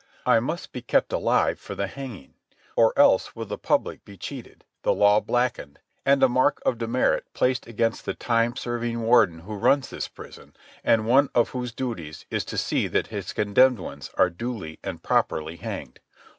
I must be kept alive for the hanging, or else will the public be cheated, the law blackened, and a mark of demerit placed against the time serving warden who runs this prison and one of whose duties is to see that his condemned ones are duly and properly hanged.